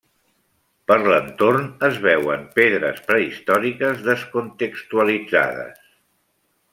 Per l'entorn es veuen pedres prehistòriques descontextualitzades.